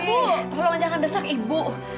wi tolong jangan desak ibu